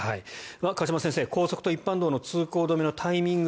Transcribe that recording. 河島先生、高速と一般道の通行止めのタイミング